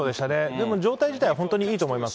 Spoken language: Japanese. でも、状態自体は本当にいいと思います。